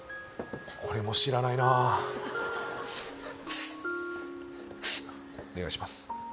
これも知らないなお願いします